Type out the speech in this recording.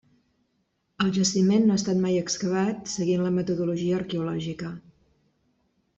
El jaciment no ha estat mai excavat seguint la metodologia arqueològica.